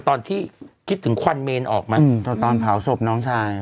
ตอนที่คิดถึงควันเมนออกมาตอนเผาศพน้องชาย